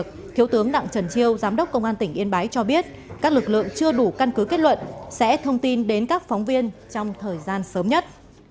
trước đó thiếu tướng đặng trần chi giám đốc công an tỉnh yên bái cho biết các lực lượng chưa đủ căn cứ kết luận sẽ thông tin đến các phóng viên trong thời gian sớm nhất